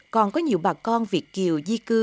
còn có nhiều bà con việt kiều di cư